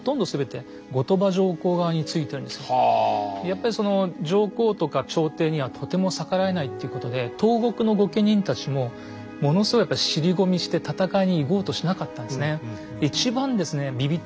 やっぱり上皇とか朝廷にはとても逆らえないっていうことで東国の御家人たちもものすごいやっぱ尻込みして戦いに行こうとしなかったんですね。